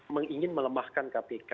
mengingin melemahkan kpk